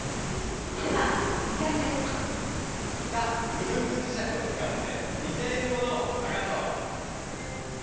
ではじっせんですさあグループじしゃくをつかってにているものをさがそう！